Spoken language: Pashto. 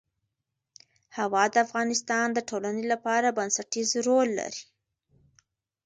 هوا د افغانستان د ټولنې لپاره بنسټيز رول لري.